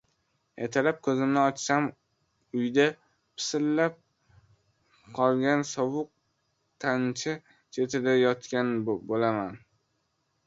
Ertalab ko‘zimni ochsam uyda - pisillab qolgan sovuq tancha chetida yotgan bo‘la- man.